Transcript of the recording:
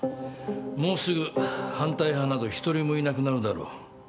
もうすぐ反対派など一人もいなくなるだろう。